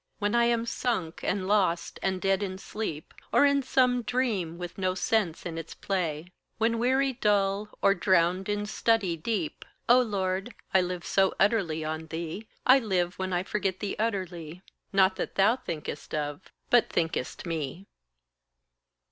When I am sunk, and lost, and dead in sleep, Or in some dream with no sense in its play? When weary dull, or drowned in study deep? O Lord, I live so utterly on thee, I live when I forget thee utterly Not that thou thinkest of, but thinkest me.